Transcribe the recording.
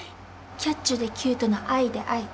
キャッチュでキュートなアイでアイ。